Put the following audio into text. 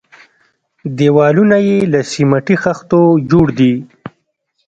دېوالونه يې له سميټي خښتو جوړ دي.